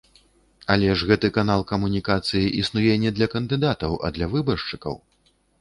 Але ж гэты канал камунікацыі існуе не для кандыдатаў, а для выбаршчыкаў.